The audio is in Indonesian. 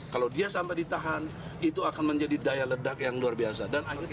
kalau dia sampai ditahan itu akan menjadi daya ledak yang luar biasa